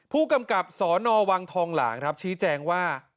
ผู้กำกับสนวังทองหลางครับชี้แจงว่า